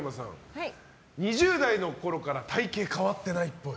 ２０代の頃から体形変わってないっぽい。